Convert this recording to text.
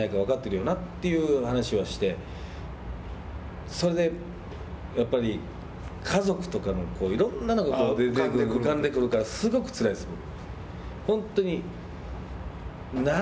何が足りないか分かっているよな？というような話をしてそれでやっぱり家族とかのいろんなのが浮かんでくるからすごくつらいです、僕。